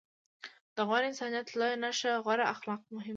د غوره انسانيت لويه نښه غوره اخلاق دي.